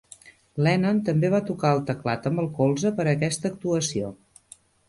Lennon també va tocar el teclat amb el colze per aquesta actuació.